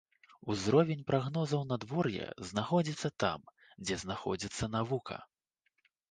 Узровень прагнозаў надвор'я знаходзіцца там, дзе знаходзіцца навука.